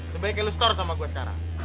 sebaiknya lu setor sama gua sekarang